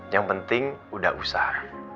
yang penting udah usaha